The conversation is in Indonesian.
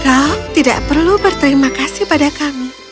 kamu tidak perlu berterima kasih kepada kami